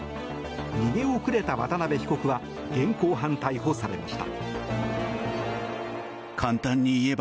逃げ遅れた渡邉被告は現行犯逮捕されました。